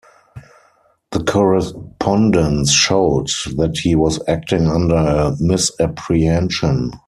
The correspondence showed that he was acting under a misapprehension.